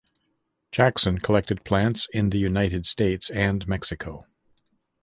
Jackson collected plants in the United States and Mexico.